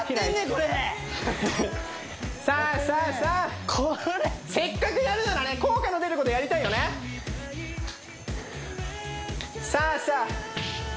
これさあさあさあせっかくやるならね効果の出ることやりたいよねさあさあ